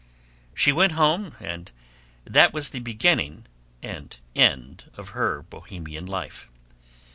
She went home, and that was the beginning and end of her Bohemian life.